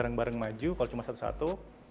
kalau nggak bareng bareng maju kalau cuma satu satu